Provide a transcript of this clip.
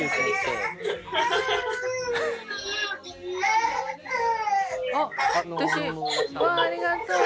うわありがとう！